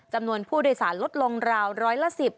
จำนวนผู้โดยสารลดลงราวร้อยละ๑๐